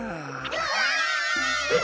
うわ！